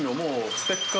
ステッカー？